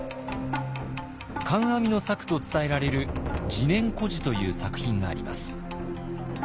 観阿弥の作と伝えられる「自然居士」という作品があります。